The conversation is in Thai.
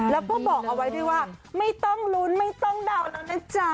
แล้วก็บอกเอาไว้ด้วยว่าไม่ต้องลุ้นไม่ต้องเดาแล้วนะจ๊ะ